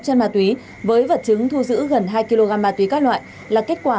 chân ma túy với vật chứng thu giữ gần hai kg ma túy các loại là kết quả